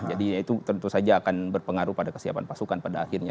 jadi itu tentu saja akan berpengaruh pada kesiapan pasukan pada akhirnya